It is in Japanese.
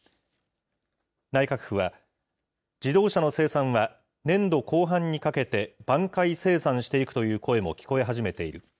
内閣府は、自動車の生産は年度後半にかけて挽回生産していくという声も聞こえ始めている。